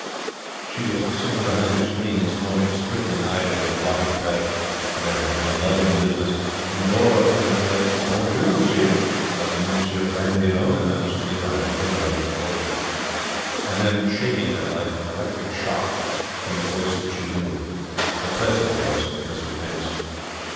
She was sitting behind her screen this morning, scribbling idly on the blotting pad, for there had been a lull in the business, when the door opened, and the polite, 'Bonjour, monsieur,' of M. Gandinot announced the arrival of another unfortunate. And then, shaking her like an electric shock, came a voice that she knew the pleasant voice of Mr Vince.